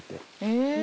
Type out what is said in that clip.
へえ。